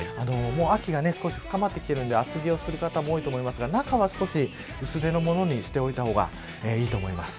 秋が深まってきているので厚着をする方が多いと思いますが中は少し薄手のものにしておいた方がいいと思います。